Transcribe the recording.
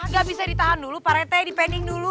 gak bisa ditahan dulu pak rentai dipending dulu